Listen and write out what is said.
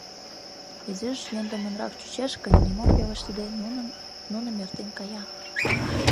Изиш йӧндымынрак чучеш гын, нимом пелештыде, нуным эртен кая.